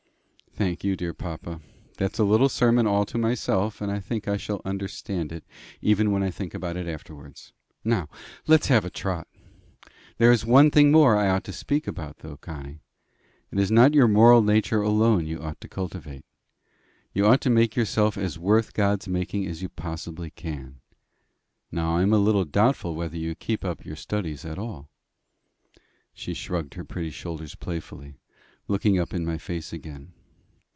"Thank you, dear papa. That's a little sermon all to myself, and I think I shall understand it even when I think about it afterwards. Now let's have a trot." "There is one thing more I ought to speak about though, Connie. It is not your moral nature alone you ought to cultivate. You ought to make yourself as worth God's making as you possibly can. Now I am a little doubtful whether you keep up your studies at all." She shrugged her pretty shoulders playfully, looking up in my face again.